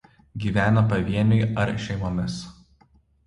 Gyvena pavieniui ar šeimomis.